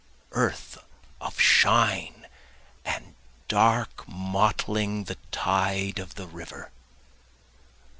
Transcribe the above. Earth of shine and dark mottling the tide of the river!